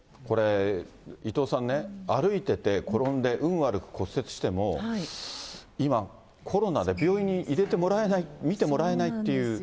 これ、伊藤さんね、歩いてて、転んで、運悪く骨折しても、今、コロナで病院に入れてもらえない、診てもらえないっていう。